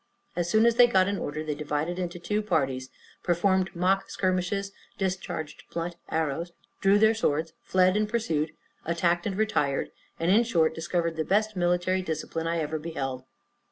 As soon as they got in order, they divided into two parties, performed mock skirmishes, discharged blunt arrows, drew their swords, fled and pursued, attacked and retired, and in short discovered the best military discipline I ever beheld.